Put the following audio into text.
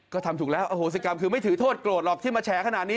ก็ทำถูกแล้วอโหสิกรรมคือไม่ถือโทษโกรธหรอกที่มาแฉขนาดนี้